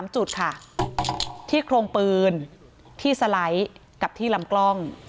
๓จุดค่ะที่โครงปืนที่สไลด์กับที่ลำกล้อง